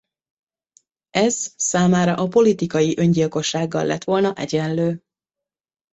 Ez számára a politikai öngyilkossággal lett volna egyenlő.